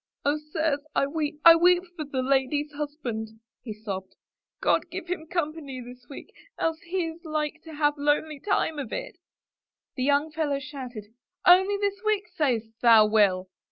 "Oh, sirs, I weep — I weep for the lady's husband," he sobbed. " God give him company this week, else he is like to have lonely time of it 1 " The young fellows shouted. " Only this week, sayest thou. Will